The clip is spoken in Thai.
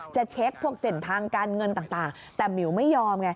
จะเช็คพวกเส้นทางการเงินต่างแต่หมิวไม่ยอมไง